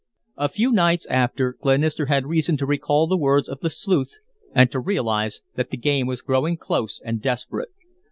A few nights after, Glenister had reason to recall the words of the sleuth and to realize that the game was growing close and desperate.